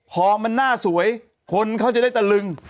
พอมันหน้าสวยคนเขาจะได้ตะลึง